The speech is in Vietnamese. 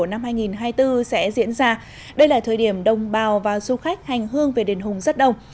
năm hai nghìn hai mươi bốn sẽ diễn ra đây là thời điểm đồng bào và du khách hành hương về đền hùng rất đông